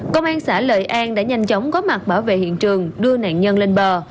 công an xã lợi an đã nhanh chóng có mặt bảo vệ hiện trường đưa nạn nhân lên bờ